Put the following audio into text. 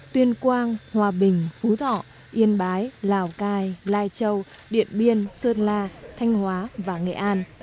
tuyên quang hòa bình phú thọ yên bái lào cai lai châu điện biên sơn la thanh hóa và nghệ an